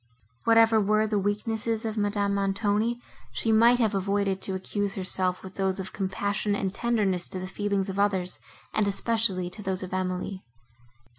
Whatever were the weaknesses of Madame Montoni, she might have avoided to accuse herself with those of compassion and tenderness to the feelings of others, and especially to those of Emily.